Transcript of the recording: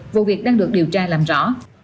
vụ việc đang được điều tra làm rõ